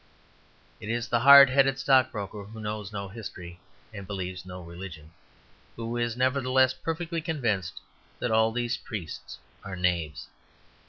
It is the hard headed stockbroker, who knows no history and believes no religion, who is, nevertheless, perfectly convinced that all these priests are knaves.